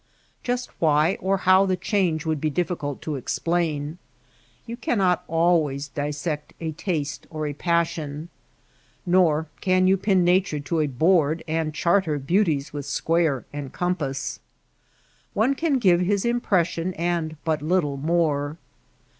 Just why or how the change would be difficult to explain. You cannot always dissect a taste or a passion. Nor can you pin Nature to a PREFACE DEDICATION XI board and chart her beauties with square and compasses. One can give his impression and but little more.